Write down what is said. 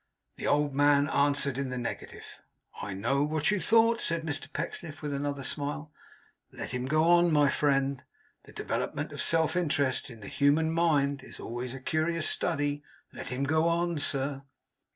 The old man answered in the negative. 'I know what you thought,' said Mr Pecksniff, with another smile. 'Let him go on my friend. The development of self interest in the human mind is always a curious study. Let him go on, sir.